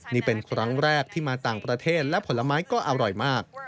นี่เป็นครั้งแรกที่มาต่างประเทศและผลไม้ก็อร่อยมาก